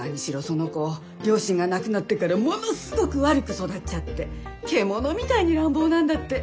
その子両親が亡くなってからものすごく悪く育っちゃって獣みたいに乱暴なんだって。